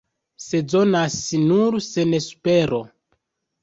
Sezonas nur senespero.